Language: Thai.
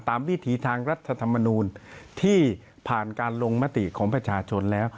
วิถีทางรัฐธรรมนูลที่ผ่านการลงมติของประชาชนแล้ว